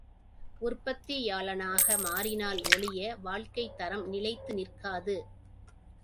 உற்பத்தியாளனாக மாறினால் ஒழிய வாழ்க்கைத் தரம் நிலைத்து நிற்காது.